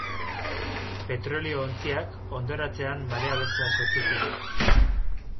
Petrolio-ontziak hondoratzean marea beltza sortu zuen.